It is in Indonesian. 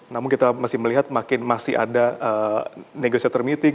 namun kita masih melihat makin masih ada negosiator meeting